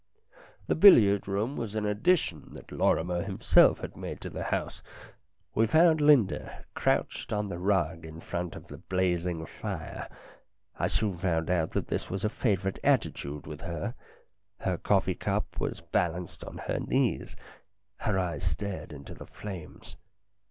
The billiard room was an addition that Lorrimer himself had made to the house. We found Linda crouched on the rug in front of the blazing fire ; I soon found that this was a favourite attitude with her. Her coffee cup was balanced on her knees. Her eyes stared into the flames.